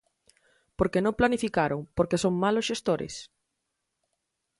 Porque non planificaron, porque son malos xestores.